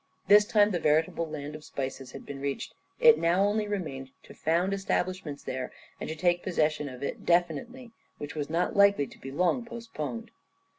This time the veritable land of spices had been reached, it now only remained to found establishments there and to take possession of it definitely, which was not likely to be long postponed.